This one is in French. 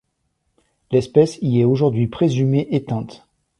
L'espèce y est aujourd'hui présumée éteinte.